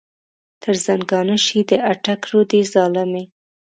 تر زنګانه شې د اټک رودې ظالمې.